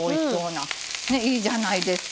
いいじゃないですか。